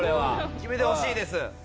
決めてほしいです